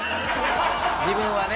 自分はね。